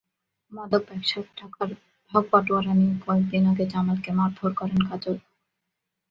মাদক ব্যবসার টাকার ভাগ-বাঁটোয়ারা নিয়ে কয়েক দিন আগে জামালকে মারধর করেন কাজল।